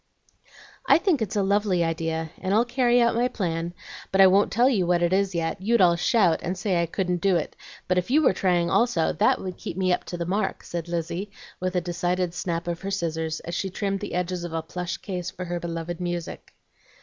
"I think it's a lovely idea, and I'll carry out my plan. But I won't tell what it is yet; you'd all shout, and say I couldn't do it, but if you were trying also, that would keep me up to the mark," said Lizzie, with a decided snap of her scissors, as she trimmed the edges of a plush case for her beloved music.